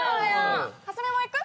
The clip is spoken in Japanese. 蓮見も行く？